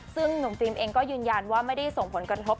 ซึ่งหนุ่มฟิล์มเองก็ยืนยันว่าไม่ได้ส่งผลกระทบ